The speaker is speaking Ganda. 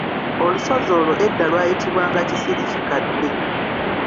Olusozi olwo edda lwayitibwanga Kisirikikadde.